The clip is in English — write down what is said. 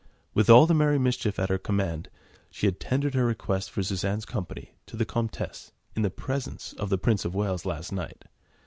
With all the merry mischief at her command, she had tendered her request for Suzanne's company to the Comtesse in the presence of the Prince of Wales last night.